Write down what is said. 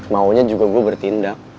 maunya juga gue bertindak